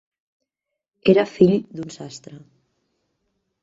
Era fill d'un sastre.